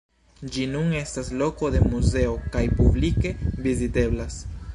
Ĝi nun estas loko de muzeo, kaj publike viziteblas.